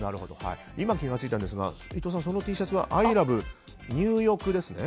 今、気が付いたんですが伊藤さん、そのＴシャツはアイラブ入浴ですね。